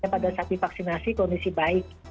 pada saat divaksinasi kondisi baik